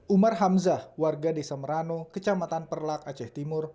umar hamzah warga desa merano kecamatan perlak aceh timur